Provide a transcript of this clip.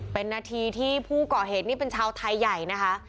เป็นนาทีที่ผู้ก่อเหตุนี่เป็นชาวไทยใหญ่นะคะ